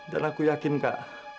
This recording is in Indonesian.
dan aku yakin kak